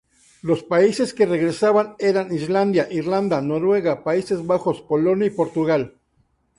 Los países que regresaban eran Islandia, Irlanda, Noruega, Países Bajos, Polonia y Portugal.